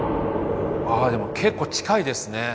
あでも結構近いですね。